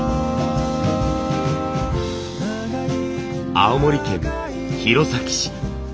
青森県弘前市。